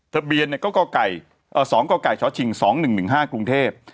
ทะเบียนก้าวก้าวไก่สองก้าวก้าวไก่ชชิง๒๑๑๕กรุงเทพฯ